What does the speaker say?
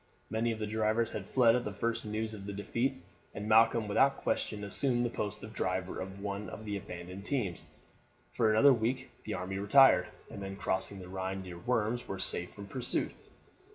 Many of the drivers had fled at the first news of the defeat, and Malcolm without question assumed the post of driver of one of the abandoned teams. For another week the army retired, and then crossing the Rhine near Worms were safe from pursuit.